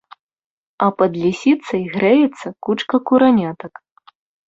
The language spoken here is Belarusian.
А пад лісіцай грэецца кучка куранятак.